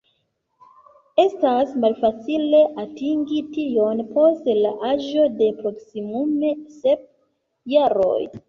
Estas malfacile atingi tion post la aĝo de proksimume sep jaroj.